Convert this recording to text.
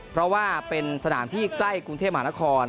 เพราะว่าเป็นสนามที่ใกล้กรุงเทพมหานคร